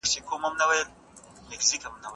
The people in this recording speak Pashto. یو ایږدن مي خیرات نه کړ چي مي دفع کړي اورونه